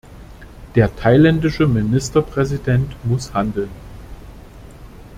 Der thailändische Ministerpräsident muss handeln.